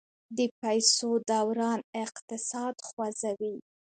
د پیسو دوران اقتصاد خوځوي.